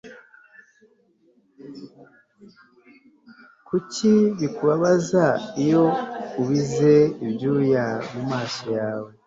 Kuki bikubabaza iyo ubize ibyuya mumaso yawe